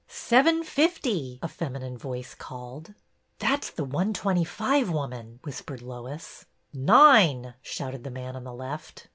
Seven fifty !" a feminine voice called. That 's the one twenty five woman," whis pered Lois. ^'Nine! " shouted the man on the left.